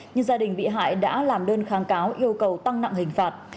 nhưng gia đình bị hại đã làm đơn kháng cáo yêu cầu tăng nặng hình phạt